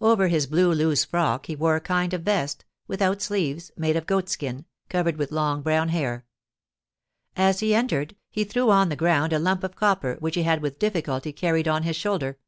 Over his blue loose frock he wore a kind of vest, without sleeves, made of goatskin, covered with long brown hair. As he entered, he threw on the ground a lump of copper, which he had with difficulty carried on his shoulder.